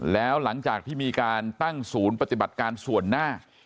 แล้วหลังจากที่มีการตั้งศูนย์ปฏิบัติการส่วนหน้า